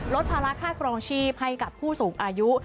ภาระค่าครองชีพให้กับผู้สูงอายุ